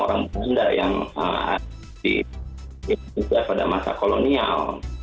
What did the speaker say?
orang belanda yang ada di indonesia pada masa kolonial